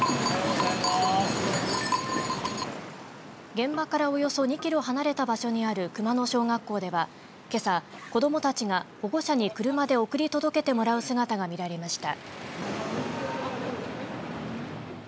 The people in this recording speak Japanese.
現場からおよそ２キロ離れた場所にある熊野小学校ではけさ、子どもたちが保護者に車で送り届けてもらう姿が見られました。